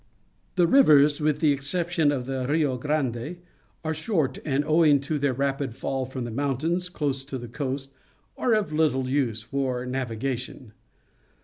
The rivers, with the exception of the Rio Grande, are short, and, owing to their rapid fall from the mountains close to the coast, are of little use for na\igation.